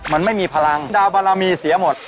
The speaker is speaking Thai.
มันไม่มีพลังดาวบารมีเสียหมด